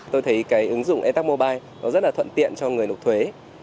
tôi thấy cái ứng dụng e tac mobile rất là thuận tiện cho người nộp thuế